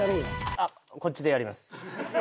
あっこっちでやります。